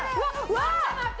待って待って！